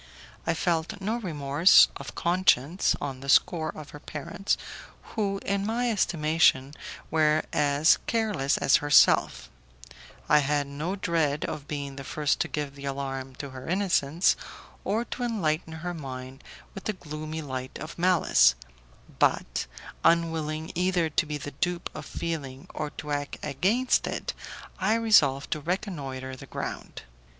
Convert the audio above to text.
I felt no remorse of conscience on the score of her parents, who, in my estimation, were as careless as herself; I had no dread of being the first to give the alarm to her innocence, or to enlighten her mind with the gloomy light of malice, but, unwilling either to be the dupe of feeling or to act against it, I resolved to reconnoitre the ground.